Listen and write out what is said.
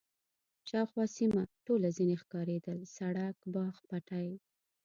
شاوخوا سیمه ټوله ځنې ښکارېدل، سړک، باغ، پټی.